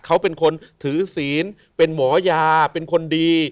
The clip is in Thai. เขาเป็นคนถือศีลเป็นหมอยาเป็นคนดี